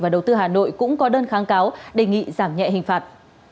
và đầu tư hà nội cũng có đơn kháng cáo đề nghị giảm nhẹ hình phạt